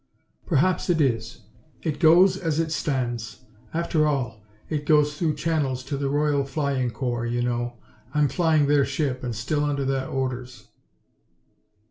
"Perhaps it is. It goes as it stands. After all, it goes through channels to the Royal Flying Corps, you know. I'm flying their ship and still under their orders."